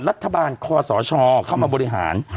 รัฐบาลคอสชเข้ามาบริหาร